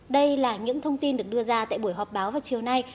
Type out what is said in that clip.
đây là những thông tin được đưa ra tại buổi họp báo vào chiều nay